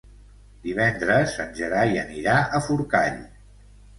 Divendres en Gerai anirà a Forcall.